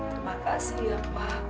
terima kasih ya pak